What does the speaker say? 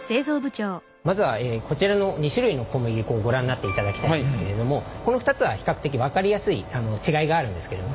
まずはこちらの２種類の小麦粉をご覧になっていただきたいんですけれどもこの２つは比較的分かりやすい違いがあるんですけれども。